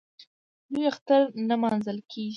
لوی اختر نماځل کېږي.